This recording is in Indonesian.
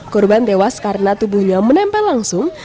korban tewas karena tubuhnya menempel langsung